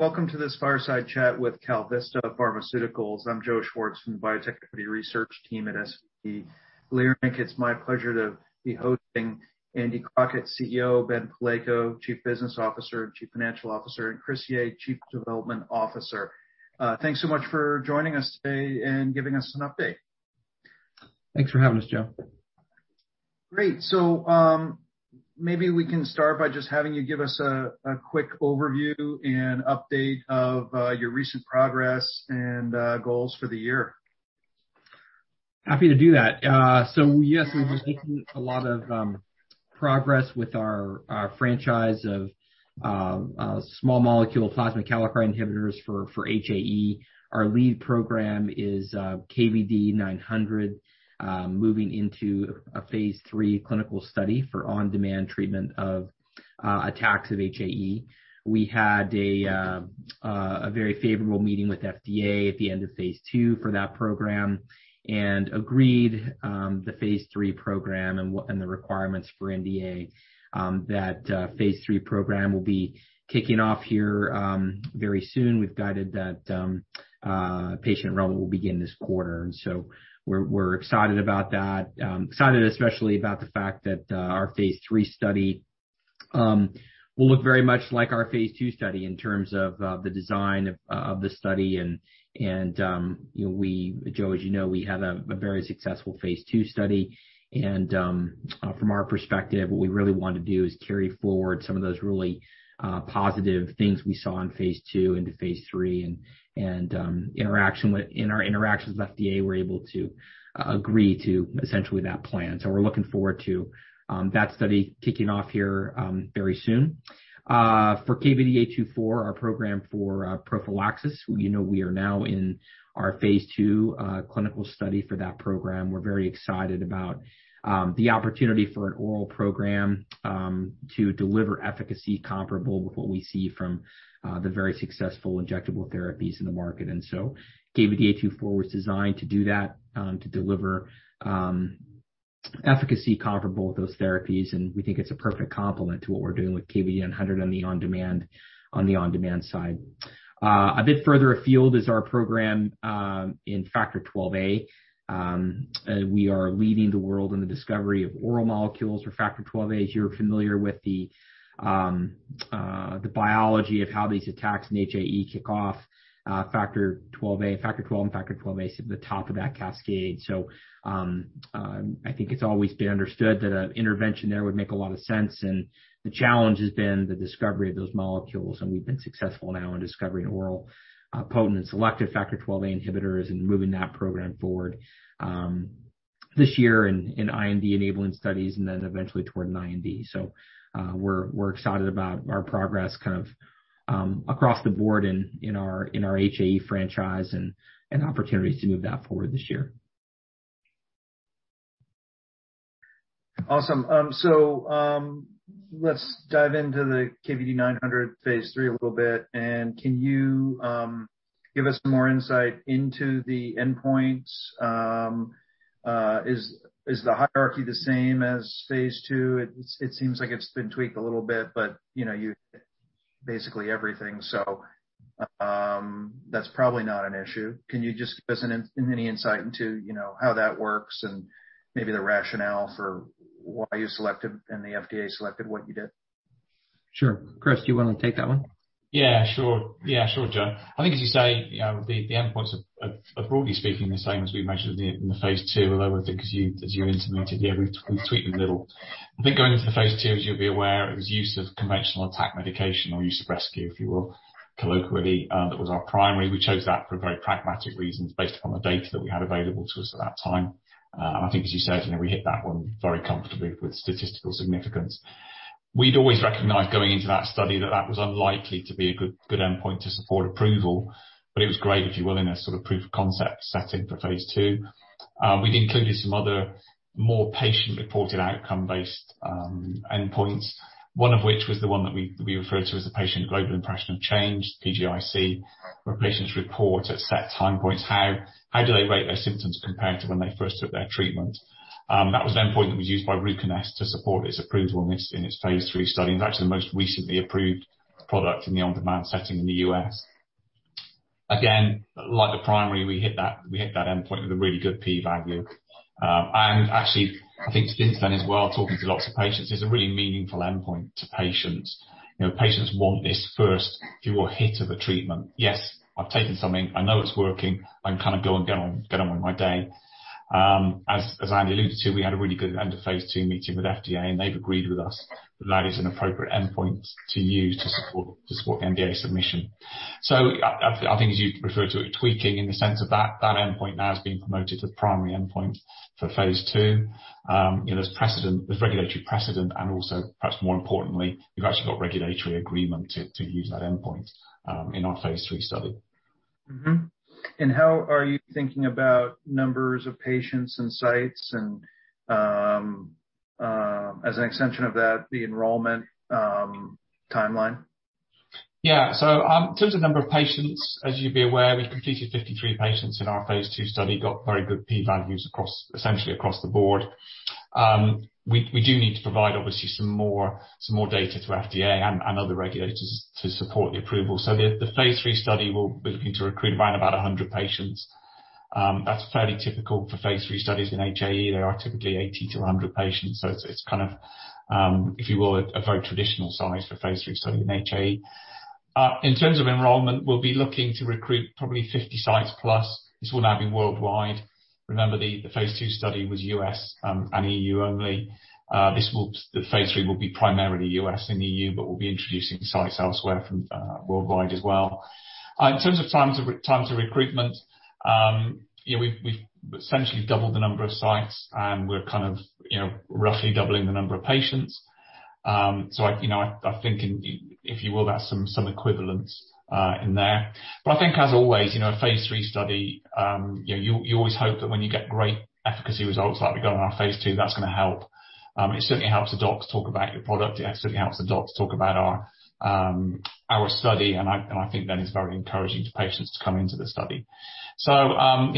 Welcome to this fireside chat with KalVista Pharmaceuticals. I'm Joe Schwartz from the Biotech Equity Research team at SVB Leerink. It's my pleasure to be hosting Andy Crockett, CEO, Ben Palko, Chief Business Officer and Chief Financial Officer, and Chris Yea, Chief Development Officer. Thanks so much for joining us today and giving us an update. Thanks for having us, Joe. Great. Maybe we can start by just having you give us a quick overview and update of your recent progress and goals for the year. Happy to do that. Yes, we've been making a lot of progress with our franchise of small molecule plasma kallikrein inhibitors for HAE. Our lead program is KVD900, moving into a phase III clinical study for on-demand treatment of attacks of HAE. We had a very favorable meeting with FDA at the end of phase II for that program and agreed the phase III program and the requirements for NDA. That phase III program will be kicking off here very soon. We've guided that patient enrollment will begin this quarter, and so we're excited about that. Excited especially about the fact that our phase III study will look very much like our phase II study in terms of the design of the study and you know, Joe, as you know we had a very successful phase II study and from our perspective what we really want to do is carry forward some of those really positive things we saw in phase II into phase III. In our interactions with FDA we're able to agree to essentially that plan. We're looking forward to that study kicking off here very soon. For KVD824 our program for prophylaxis you know we are now in our phase II clinical study for that program. We're very excited about the opportunity for an oral program to deliver efficacy comparable with what we see from the very successful injectable therapies in the market. KVD824 was designed to do that to deliver efficacy comparable with those therapies, and we think it's a perfect complement to what we're doing with KVD900 on the on-demand side. A bit further afield is our program in Factor XIIa. We are leading the world in the discovery of oral molecules for Factor XIIa. As you're familiar with the biology of how these attacks in HAE kick off, Factor XIIa. Factor XII and Factor XIIa sit at the top of that cascade. I think it's always been understood that an intervention there would make a lot of sense, and the challenge has been the discovery of those molecules, and we've been successful now in discovering oral, potent and selective Factor XIIa inhibitors and moving that program forward, this year in IND-enabling studies and then eventually toward an IND. We're excited about our progress kind of across the board in our HAE franchise and opportunities to move that forward this year. Awesome. So, let's dive into the KVD900 phase III a little bit. Can you give us more insight into the endpoints? Is the hierarchy the same as phase II? It seems like it's been tweaked a little bit, but, you know, you basically everything, so, that's probably not an issue. Can you just give us any insight into, you know, how that works and maybe the rationale for why you selected and the FDA selected what you did? Sure. Chris, do you wanna take that one? Yeah, sure. Yeah, sure, Joe. I think as you say, you know, the endpoints are broadly speaking the same as we mentioned in the phase II, although with the-'cause you, as you intimated, yeah, we've tweaked them a little. I think going into the phase II, as you'll be aware, it was use of conventional attack medication or use of rescue, if you will, colloquially, that was our primary. We chose that for very pragmatic reasons based upon the data that we had available to us at that time. I think as you said, you know, we hit that one very comfortably with statistical significance. We'd always recognized going into that study that was unlikely to be a good endpoint to support approval, but it was great, if you will, in a sort of proof of concept setting for phase II. We'd included some other more patient-reported outcome-based endpoints, one of which was the one that we refer to as the Patient Global Impression of Change, PGIC, where patients report at set time points how do they rate their symptoms compared to when they first took their treatment. That was the endpoint that was used by Ruconest to support its approval in its phase III study, and it's actually the most recently approved product in the on-demand setting in the U.S. Again, like the primary, we hit that endpoint with a really good P value. Actually I think since then as well, talking to lots of patients, it's a really meaningful endpoint to patients. You know, patients want this first, if you will, hit of a treatment. Yes, I've taken something. I know it's working. I can kind of go and get on with my day. As Andy alluded to, we had a really good end of phase II meeting with FDA, and they've agreed with us that that is an appropriate endpoint to use to support the NDA submission. I think as you referred to it, tweaking in the sense that that endpoint now has been promoted to the primary endpoint for phase II. You know, there's precedent, there's regulatory precedent and also, perhaps more importantly, you've actually got regulatory agreement to use that endpoint in our phase III study. Mm-hmm. How are you thinking about numbers of patients and sites and, as an extension of that, the enrollment timeline? Yeah. In terms of the number of patients, as you'd be aware, we've completed 53 patients in our phase II study, got very good P values across, essentially across the board. We do need to provide obviously some more data to FDA and other regulators to support the approval. The phase III study, we'll be looking to recruit around about 100 patients. That's fairly typical for phase III studies in HAE. There are typically 80 to 100 patients. It's kind of, if you will, a very traditional size for phase III study in HAE. In terms of enrollment, we'll be looking to recruit probably 50 sites plus. This will now be worldwide. Remember the phase II study was U.S. and E.U. only. The phase III will be primarily U.S. and E.U., but we'll be introducing sites elsewhere from worldwide as well. In terms of time of recruitment, yeah, we've essentially doubled the number of sites, and we're kind of, you know, roughly doubling the number of patients. I, you know, I think if you will, that's some equivalence in there. I think as always, you know, phase III study, you know, you always hope that when you get great efficacy results like we got on our phase II, that's gonna help. It certainly helps the docs talk about your product. It certainly helps the docs talk about our study. I think that is very encouraging to patients to come into the study. You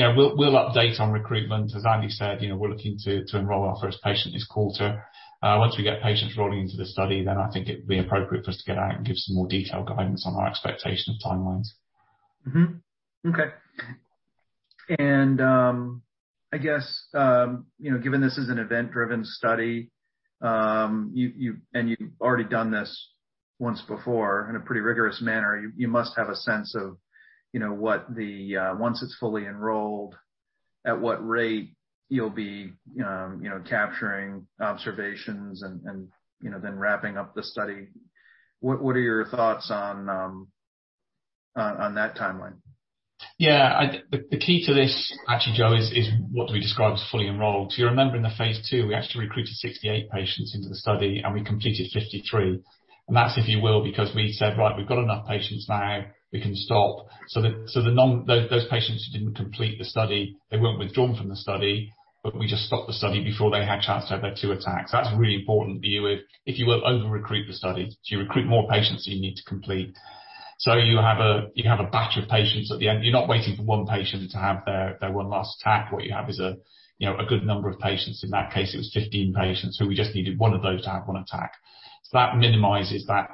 know, we'll update on recruitment. As Andy said, you know, we're looking to enroll our first patient this quarter. Once we get patients rolling into the study, then I think it would be appropriate for us to get out and give some more detailed guidance on our expectation of timelines. Mm-hmm. Okay. I guess, you know, given this is an event-driven study, and you've already done this once before in a pretty rigorous manner, you must have a sense of, you know, once it's fully enrolled, at what rate you'll be, you know, capturing observations and then wrapping up the study. What are your thoughts on that timeline? Yeah. The key to this actually, Joe, is what we describe as fully enrolled. You remember in the phase II, we actually recruited 68 patients into the study, and we completed 53. That's, if you will, because we said, "Right, we've got enough patients now. We can stop." The those patients who didn't complete the study, they weren't withdrawn from the study, but we just stopped the study before they had a chance to have their two attacks. That's a really important view if you will over-recruit the study. Do you recruit more patients than you need to complete? You have a batch of patients at the end. You're not waiting for one patient to have their one last attack. What you have is a you know a good number of patients. In that case, it was 15 patients, so we just needed one of those to have one attack. That minimizes that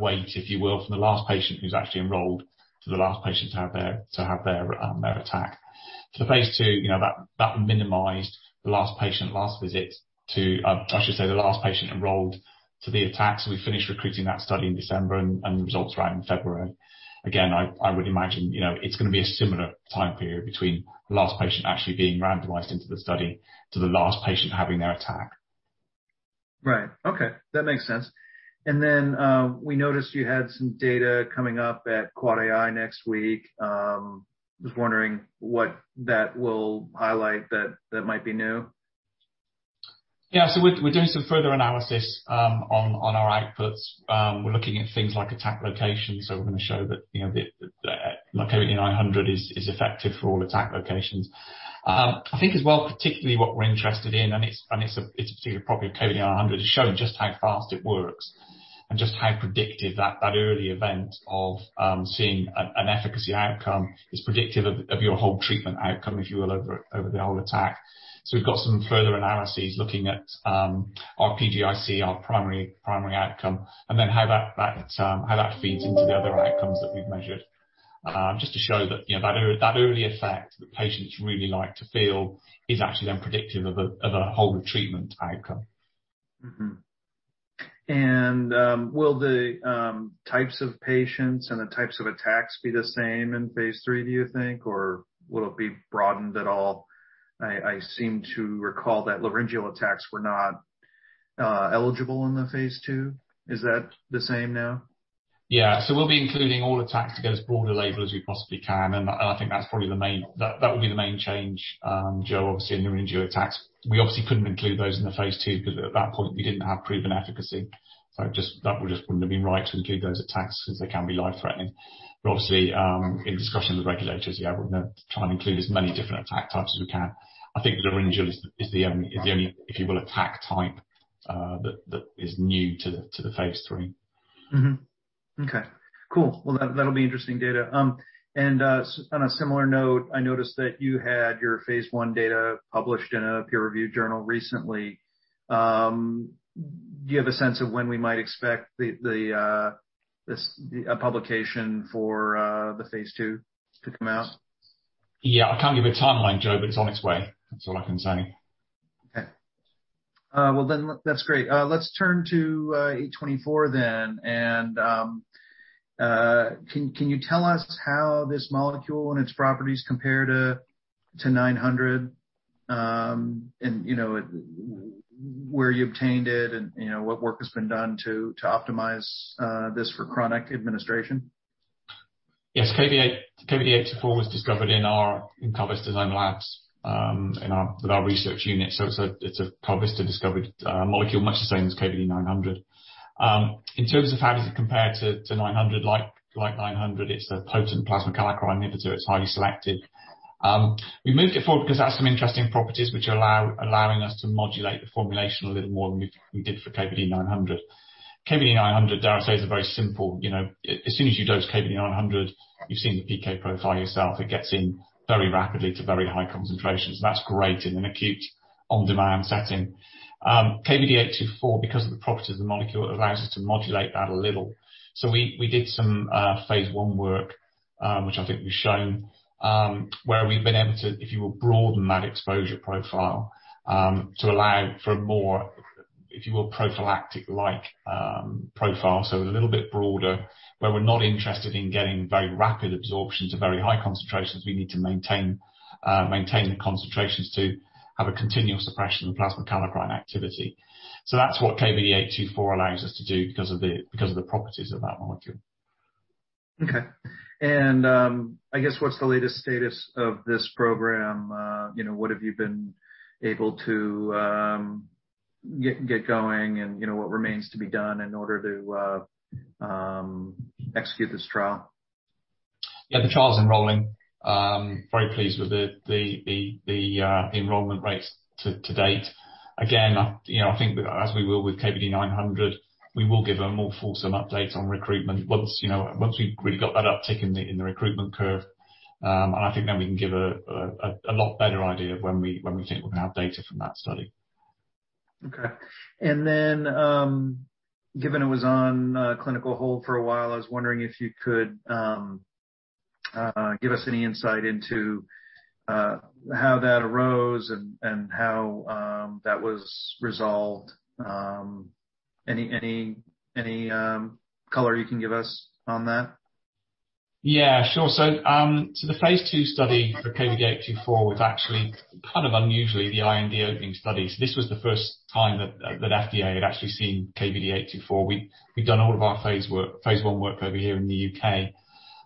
wait, if you will, from the last patient who's actually enrolled to the last patient to have their attack. Phase II, you know, that minimized the last patient, last visit. I should say the last patient enrolled to the attack. We finished recruiting that study in December and the results were out in February. Again, I would imagine, you know, it's gonna be a similar time period between the last patient actually being randomized into the study to the last patient having their attack. Right. Okay. That makes sense. We noticed you had some data coming up at AAAAI next week. Just wondering what that will highlight that might be new. Yeah. We're doing some further analysis on our outputs. We're looking at things like attack location. We're gonna show that, you know, like KVD900 is effective for all attack locations. I think as well, particularly what we're interested in, it's particularly probably KVD900 is showing just how fast it works and just how predictive that early event of seeing an efficacy outcome is predictive of your whole treatment outcome, if you will, over the whole attack. We've got some further analyses looking at our PGIC, our primary outcome, and then how that feeds into the other outcomes that we've measured. Just to show that, you know, that early effect that patients really like to feel is actually then predictive of a whole treatment outcome. Will the types of patients and the types of attacks be the same in phase III, do you think, or will it be broadened at all? I seem to recall that laryngeal attacks were not eligible in the phase II. Is that the same now? Yeah. We'll be including all attacks to get as broad a label as we possibly can. I think that would be the main change, Joe, obviously in the laryngeal attacks. We obviously couldn't include those in the phase II because at that point we didn't have proven efficacy. That just wouldn't have been right to include those attacks because they can be life-threatening. Obviously, in discussion with regulators, yeah, we're gonna try and include as many different attack types as we can. I think the laryngeal is the only, if you will, attack type that is new to the phase III. Okay. Cool. Well, that'll be interesting data. On a similar note, I noticed that you had your phase I data published in a peer-reviewed journal recently. Do you have a sense of when we might expect a publication for the phase II to come out? Yeah. I can't give a timeline, Joe, but it's on its way. That's all I can say. Okay. Well then that's great. Let's turn to KVD824 then. Can you tell us how this molecule and its properties compare to KVD900, you know, where you obtained it and you know what work has been done to optimize this for chronic administration? Yes. KVD824 was discovered in KalVista's own labs with our research unit. It's a KalVista discovered molecule, much the same as KVD900. In terms of how does it compare to KVD900, like KVD900, it's a potent plasma kallikrein inhibitor. It's highly selective. We moved it forward because it has some interesting properties which allow us to modulate the formulation a little more than we did for KVD900. KVD900, dare I say, is very simple. As soon as you dose KVD900, you've seen the PK profile yourself. It gets in very rapidly to very high concentrations. That's great in an acute on-demand setting. KVD824, because of the properties of the molecule, it allows us to modulate that a little. We did some phase I work, which I think we've shown, where we've been able to, if you will, broaden that exposure profile, to allow for a more, if you will, prophylactic-like profile, so a little bit broader. Where we're not interested in getting very rapid absorption to very high concentrations, we need to maintain the concentrations to have a continuous suppression of plasma kallikrein activity. That's what KVD824 allows us to do because of the properties of that molecule. Okay. I guess what's the latest status of this program? You know, what have you been able to get going and, you know, what remains to be done in order to execute this trial? Yeah, the trial's enrolling. Very pleased with the enrollment rates to date. Again, you know, I think as we will with KVD900, we will give a more fulsome update on recruitment once, you know, once we've really got that uptick in the recruitment curve. I think then we can give a lot better idea of when we think we're gonna have data from that study. Okay. Given it was on clinical hold for a while, I was wondering if you could give us any insight into how that arose and how that was resolved. Any color you can give us on that? Yeah, sure. The phase II study for KVD824 was actually kind of unusually the IND-opening study. This was the first time that FDA had actually seen KVD824. We'd done all of our phase I work over here in the U.K.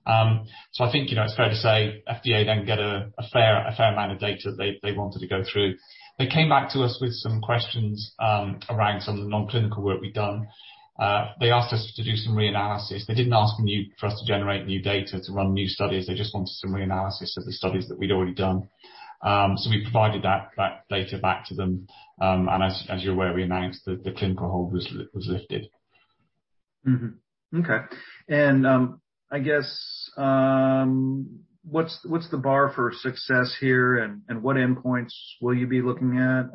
I think, you know, it's fair to say FDA didn't get a fair amount of data that they wanted to go through. They came back to us with some questions around some of the non-clinical work we'd done. They asked us to do some reanalysis. They didn't ask for us to generate new data to run new studies. They just wanted some reanalysis of the studies that we'd already done. We provided that data back to them. As you're aware, we announced that the clinical hold was lifted. Okay. I guess what's the bar for success here? What endpoints will you be looking at?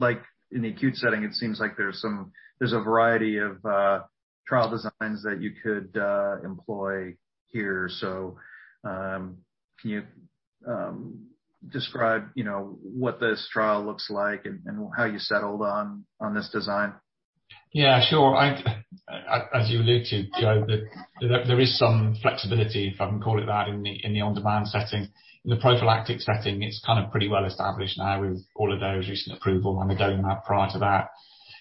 Like, in the acute setting, it seems like there's a variety of trial designs that you could employ here. Can you describe, you know, what this trial looks like and how you settled on this design? Yeah, sure. As you alluded, Joe, there is some flexibility, if I can call it that, in the on-demand setting. In the prophylactic setting, it's kind of pretty well established now with all of those recent approval on the donidalorsen prior to that.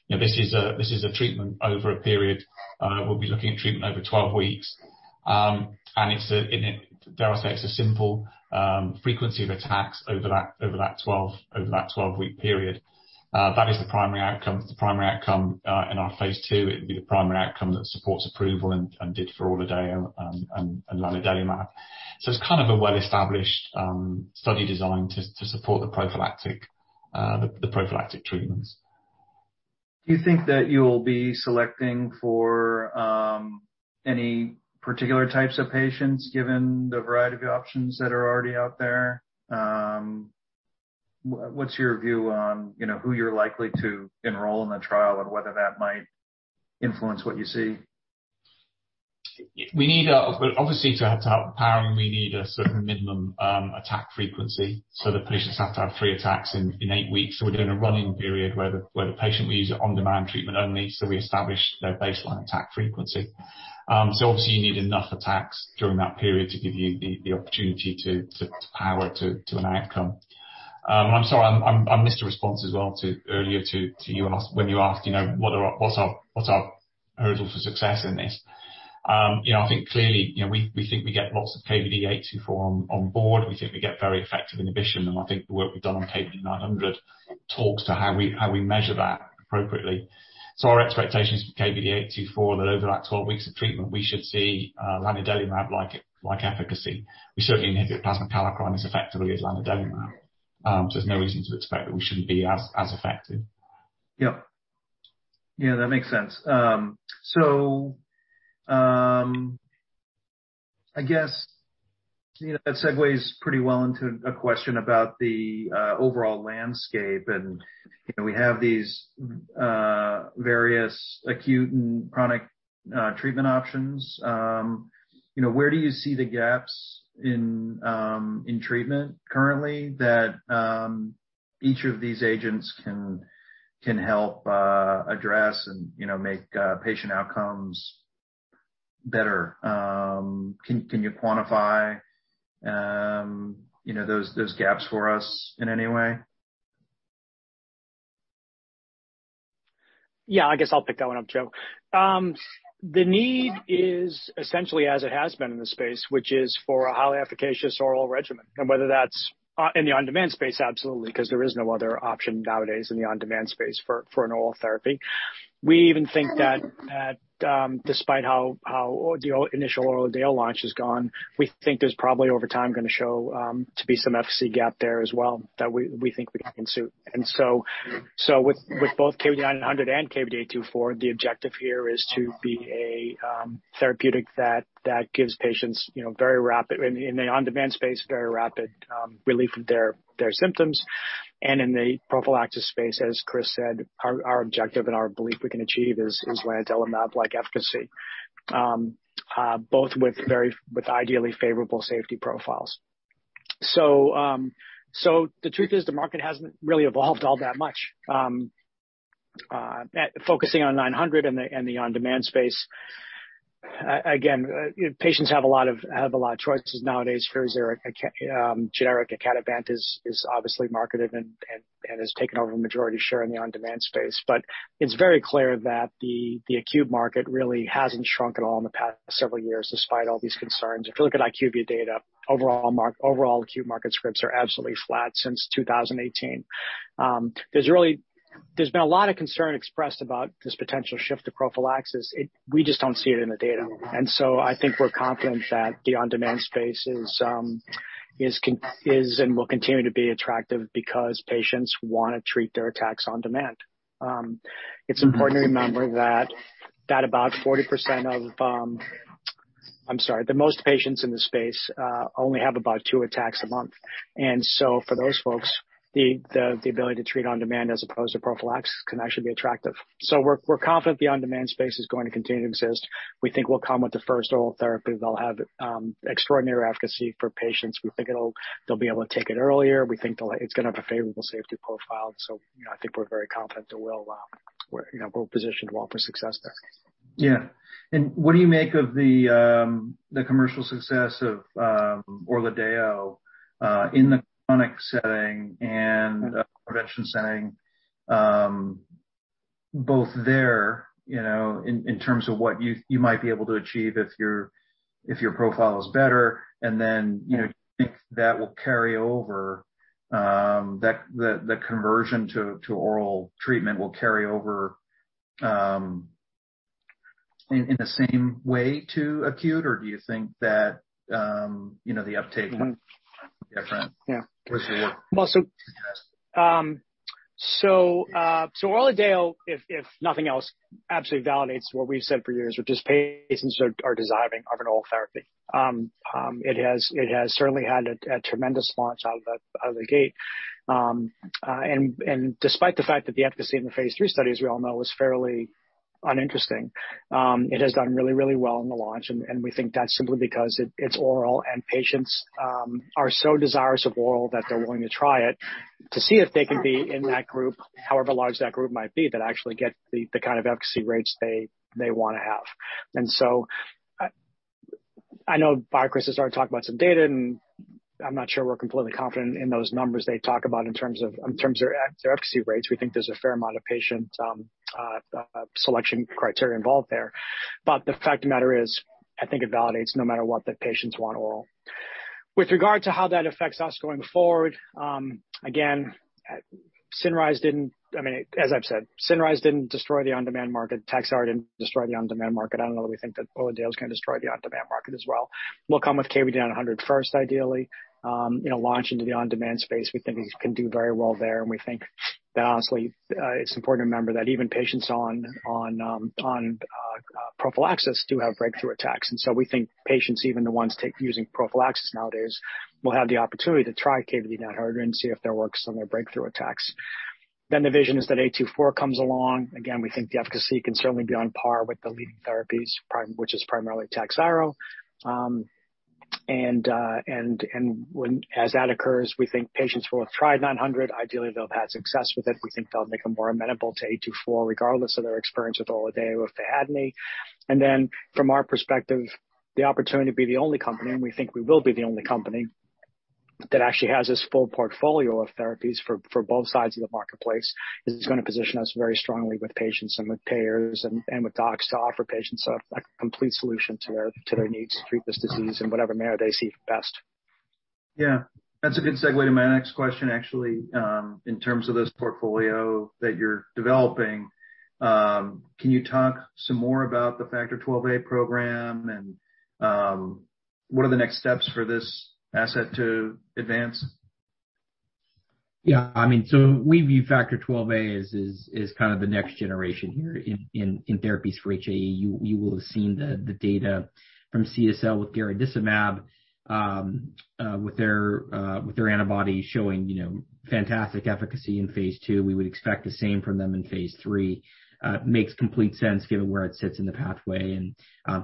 You know, this is a treatment over a period. We'll be looking at treatment over 12 weeks. Dare I say, it's a simple frequency of attacks over that 12-week period. That is the primary outcome. It's the primary outcome in our phase II. It would be the primary outcome that supports approval and did for ORLADEYO and lanadelumab. It's kind of a well-established study design to support the prophylactic treatments. Do you think that you'll be selecting for any particular types of patients, given the variety of options that are already out there? What's your view on, you know, who you're likely to enroll in the trial and whether that might influence what you see? Obviously, to have power, we need a certain minimum attack frequency. The patients have to have three attacks in eight weeks. We're doing a run-in period where the patient will use on-demand treatment only, so we establish their baseline attack frequency. Obviously you need enough attacks during that period to give you the opportunity to power to an outcome. I'm sorry, I missed a response as well to you earlier when you asked, you know, what's our hurdles for success in this. You know, I think clearly, you know, we think we get lots of KVD824 on board. We think we get very effective inhibition, and I think the work we've done on KVD900 talks to how we measure that appropriately. Our expectations for KVD824 are that over that 12 weeks of treatment, we should see lanadelumab-like efficacy. We certainly inhibit plasma kallikrein as effectively as lanadelumab. There's no reason to expect that we shouldn't be as effective. Yep. Yeah, that makes sense. I guess, you know, that segues pretty well into a question about the overall landscape and, you know, we have these various acute and chronic treatment options. You know, where do you see the gaps in treatment currently that each of these agents can help address and, you know, make patient outcomes better? Can you quantify, you know, those gaps for us in any way? Yeah, I guess I'll pick that one up, Joe. The need is essentially as it has been in the space, which is for a highly efficacious oral regimen, and whether that's in the on-demand space, absolutely, 'cause there is no other option nowadays in the on-demand space for an oral therapy. We even think that despite how the initial ORLADEYO launch has gone, we think there's probably over time gonna show to be some efficacy gap there as well that we think we can fill. With both KVD900 and KVD824, the objective here is to be a therapeutic that gives patients, you know, very rapid relief of their symptoms in the on-demand space. In the prophylactic space, as Chris said, our objective and our belief we can achieve is lanadelumab like efficacy, both with ideally favorable safety profiles. The truth is the market hasn't really evolved all that much. Focusing on KVD900 and the on-demand space, again, patients have a lot of choices nowadays. Firazyr, generic icatibant is obviously marketed and has taken over majority share in the on-demand space. It's very clear that the acute market really hasn't shrunk at all in the past several years despite all these concerns. If you look at IQVIA data, overall acute market scripts are absolutely flat since 2018. There's really There's been a lot of concern expressed about this potential shift to prophylaxis. We just don't see it in the data. I think we're confident that the on-demand space is and will continue to be attractive because patients wanna treat their attacks on demand. It's important to remember that about 40% of the-I'm sorry, the most patients in the space only have about two attacks a month. For those folks, the ability to treat on demand as opposed to prophylaxis can actually be attractive. We're confident the on-demand space is going to continue to exist. We think we'll come with the first oral therapy that'll have extraordinary efficacy for patients. We think they'll be able to take it earlier. We think it's gonna have a favorable safety profile. You know, I think we're very confident, you know, we're positioned well for success there. Yeah. What do you make of the commercial success of ORLADEYO in the chronic setting and prevention setting, both there, you know, in terms of what you might be able to achieve if your profile is better, and then, you know, do you think that will carry over, the conversion to oral treatment will carry over in the same way to acute? Or do you think that, you know, the uptake different? Yeah. ORLADEYO, if nothing else, absolutely validates what we've said for years, which is patients are desiring of an oral therapy. It has certainly had a tremendous launch out of the gate. Despite the fact that the efficacy in the phase III studies, we all know was fairly uninteresting, it has done really well in the launch. We think that's simply because it's oral, and patients are so desirous of oral that they're willing to try it to see if they can be in that group, however large that group might be, that actually get the kind of efficacy rates they wanna have. I know BioCryst has already talked about some data, and I'm not sure we're completely confident in those numbers they talk about in terms of efficacy rates. We think there's a fair amount of patient selection criteria involved there. The fact of the matter is, I think it validates, no matter what, that patients want oral. With regard to how that affects us going forward, again, Cinryze didn't destroy the on-demand market. I mean, as I've said, Cinryze didn't destroy the on-demand market. Takhzyro didn't destroy the on-demand market. I don't know that we think that ORLADEYO is gonna destroy the on-demand market as well. We'll come with KVD900 first, ideally, you know, launch into the on-demand space. We think we can do very well there, and we think that honestly, it's important to remember that even patients on prophylaxis do have breakthrough attacks. We think patients, even the ones using prophylaxis nowadays, will have the opportunity to try KVD900 and see if that works on their breakthrough attacks. The vision is that KVD824 comes along. Again, we think the efficacy can certainly be on par with the leading therapies which is primarily Takhzyro. As that occurs, we think patients will have tried KVD900. Ideally, they'll have had success with it. We think they'll make them more amenable to KVD824 regardless of their experience with ORLADEYO, if they had any. From our perspective, the opportunity to be the only company, and we think we will be the only company, that actually has this full portfolio of therapies for both sides of the marketplace, is gonna position us very strongly with patients and with payers and with docs to offer patients a complete solution to their needs to treat this disease in whatever manner they see fit best. Yeah. That's a good segue to my next question, actually. In terms of this portfolio that you're developing, can you talk some more about the Factor XIIa program and, what are the next steps for this asset to advance? Yeah. I mean, we view Factor XIIa as kind of the next generation here in therapies for HAE. You will have seen the data from CSL with garadacimab, with their antibody showing, you know, fantastic efficacy in phase II. We would expect the same from them in phase III. It makes complete sense given where it sits in the pathway and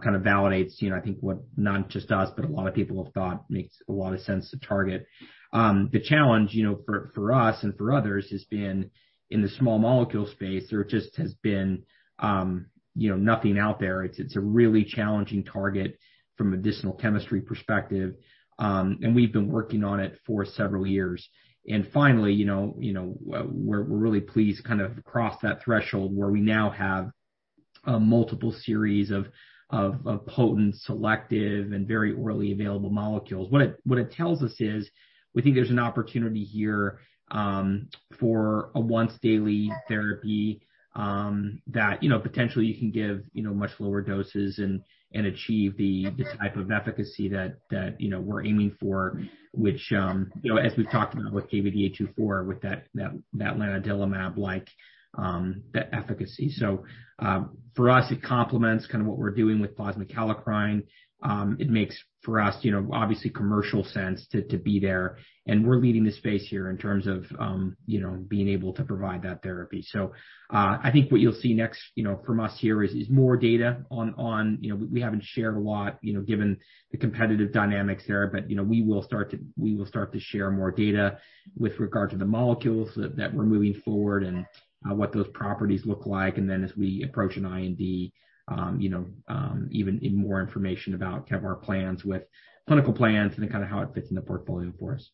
kind of validates, you know, I think what not just us, but a lot of people have thought makes a lot of sense to target. The challenge, you know, for us and for others has been in the small molecule space, there just has been, you know, nothing out there. It's a really challenging target from a medicinal chemistry perspective. We've been working on it for several years. Finally, you know, we're really pleased to cross that threshold where we now have a multiple series of potent, selective, and very orally available molecules. What it tells us is, we think there's an opportunity here for a once daily therapy that, you know, potentially you can give, you know, much lower doses and achieve the type of efficacy that, you know, we're aiming for, which, you know, as we've talked about with KVD824, with that lanadelumab-like efficacy. For us, it complements kind of what we're doing with plasma kallikrein. It makes for us, you know, obviously commercial sense to be there, and we're leading the space here in terms of, you know, being able to provide that therapy. I think what you'll see next, you know, from us here is more data on. You know, we haven't shared a lot, you know, given the competitive dynamics there, but, you know, we will start to share more data with regard to the molecules that we're moving forward and what those properties look like. And then as we approach an IND, you know, even more information about kind of our plans with clinical plans and then kind of how it fits in the portfolio for us.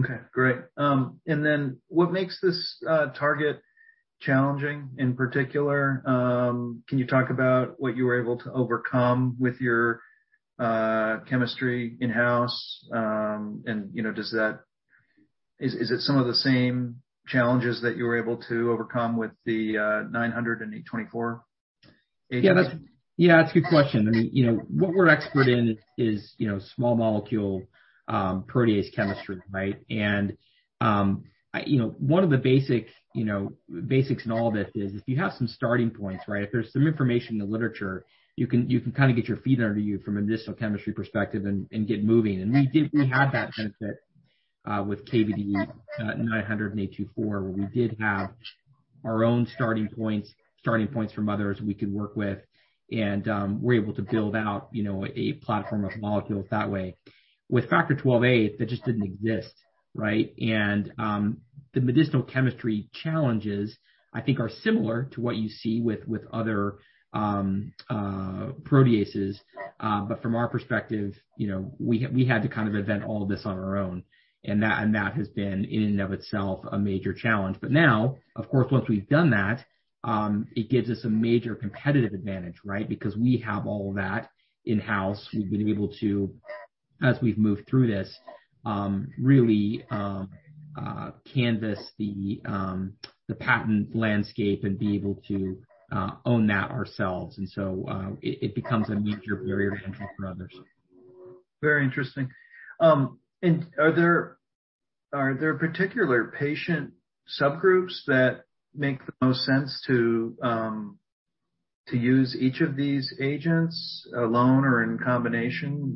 Okay, great. What makes this target challenging in particular? Can you talk about what you were able to overcome with your chemistry in-house? You know, is it some of the same challenges that you were able to overcome with the KVD824? Yeah, that's a good question. I mean, you know, what we're expert in is, you know, small molecule protease chemistry, right? You know, one of the basic, you know, basics in all of it is if you have some starting points, right? If there's some information in the literature, you can kind of get your feet under you from a medicinal chemistry perspective and get moving. We did have that benefit with KVD824, where we did have our own starting points, starting points from others we could work with. We're able to build out, you know, a platform of molecules that way. With Factor XIIa, that just didn't exist, right? The medicinal chemistry challenges, I think are similar to what you see with other proteases. From our perspective, you know, we had to kind of invent all this on our own, and that has been in and of itself a major challenge. Now, of course, once we've done that, it gives us a major competitive advantage, right? Because we have all of that in-house. We've been able to, as we've moved through this, really canvass the patent landscape and be able to own that ourselves. It becomes a major barrier to entry for others. Very interesting. Are there particular patient subgroups that make the most sense to use each of these agents alone or in combination?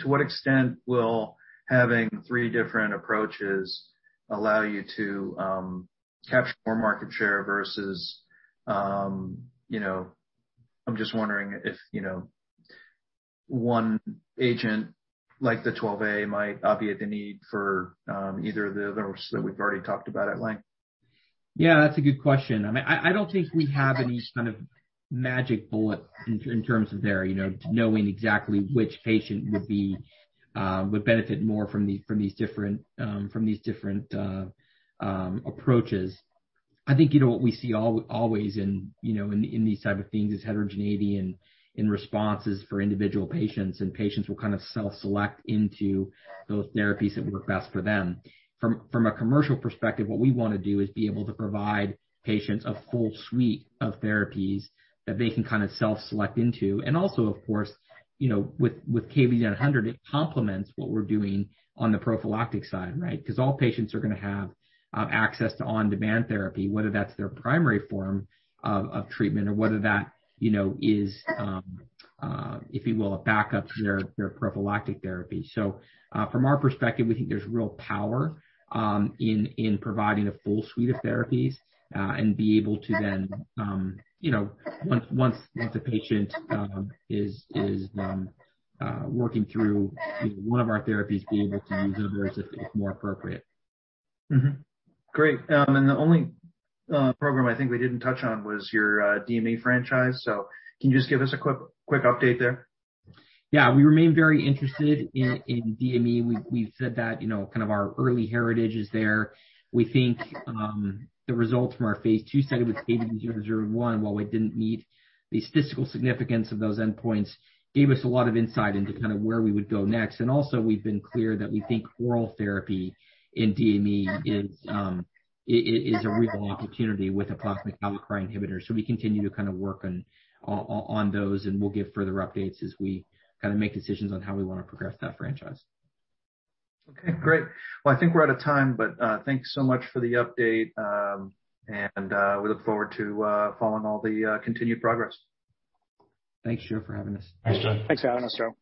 To what extent will having three different approaches allow you to capture more market share versus you know, I'm just wondering if you know, one agent, like Factor XIIa, might obviate the need for either of the others that we've already talked about at length. Yeah, that's a good question. I mean, I don't think we have any kind of magic bullet in terms of there. You know, knowing exactly which patient would benefit more from these different approaches. I think, you know, what we see always in these type of things is heterogeneity in responses for individual patients, and patients will kind of self-select into those therapies that work best for them. From a commercial perspective, what we wanna do is be able to provide patients a full suite of therapies that they can kind of self-select into. Also, of course, you know, with KVD900, it complements what we're doing on the prophylactic side, right? 'Cause all patients are gonna have access to on-demand therapy, whether that's their primary form of treatment or whether that, you know, is, if you will, a backup to their prophylactic therapy. From our perspective, we think there's real power in providing a full suite of therapies and be able to then, you know, once a patient is working through, you know, one of our therapies, be able to use others if more appropriate. Mm-hmm. Great. The only program I think we didn't touch on was your DME franchise. Can you just give us a quick update there? Yeah. We remain very interested in DME. We've said that, you know, kind of our early heritage is there. We think the results from our phase II study with KVD001, while we didn't meet the statistical significance of those endpoints, gave us a lot of insight into kind of where we would go next. Also we've been clear that we think oral therapy in DME is it is a real opportunity with a plasma kallikrein inhibitor. We continue to kind of work on those, and we'll give further updates as we kind of make decisions on how we wanna progress that franchise. Okay, great. Well, I think we're out of time, but thanks so much for the update. We look forward to following all the continued progress. Thank you for having us. Thanks, Joe. Thanks for having us, Joe.